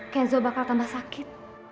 kenzo bakal tambah sakit